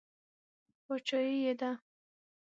باچایي یې ده.